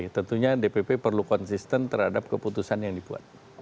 tentunya dpp perlu konsisten terhadap keputusan yang dibuat